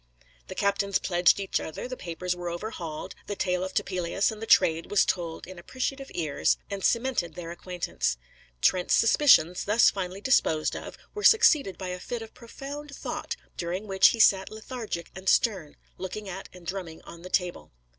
The captains pledged each other; the papers were overhauled; the tale of Topelius and the trade was told in appreciative ears and cemented their acquaintance. Trent's suspicions, thus finally disposed of, were succeeded by a fit of profound thought, during which he sat lethargic and stern, looking at and drumming on the table.